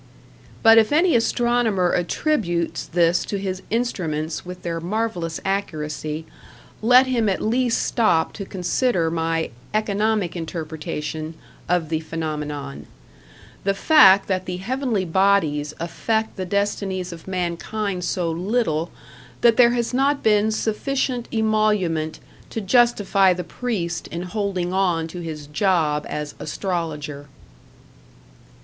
But if any astronomer attributes this to his instruments with their marvelous accuracy, let him at least stop to consider my "economic interpretation" of the phenomenon the fact that the heavenly bodies affect the destinies of mankind so little that there has not been sufficient emolument to justify the priest in holding on to his job as astrologer.